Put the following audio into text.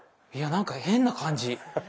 いやなんか変な感じ。